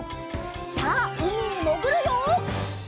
さあうみにもぐるよ！